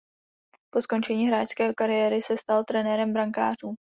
Po skončení hráčské kariéry se stal trenérem brankářů.